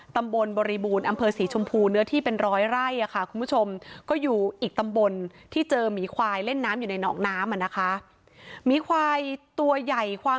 ตำบลบริบูรณ์อำเภอสีชมพูเนื้อที่เป็นร้อยไร่ค่ะ